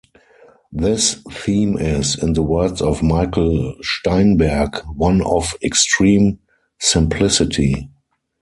This theme is, in the words of Michael Steinberg, one of "extreme simplicity".